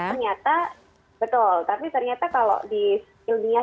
ternyata betul tapi ternyata kalau di ilmiah